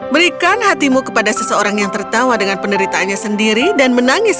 berikan hatimu kepada seseorang yang tertawa dengan penderitaannya sendiri dan menangis